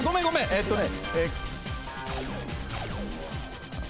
えっとね。